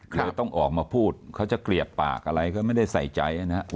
เลยต้องออกมาพูดเขาจะเกลียดปากอะไรเขาไม่ได้ใส่ใจนะ